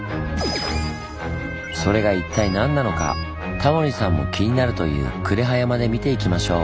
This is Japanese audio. それが一体何なのかタモリさんも気になるという呉羽山で見ていきましょう。